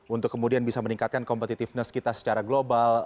untuk kemudian bisa meningkatkan competitiveness kita secara global